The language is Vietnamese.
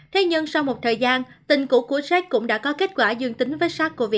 thế nhưng sau một thời gian tình cũ cuốn sách cũng đã có kết quả dương tính với sars cov hai